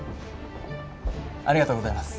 ありがとうございます。